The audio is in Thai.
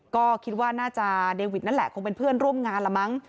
ก็คิดว่าน่าจะเดวิดนั่นแหละคงเป็นเพื่อนร่วมงานละมั้ง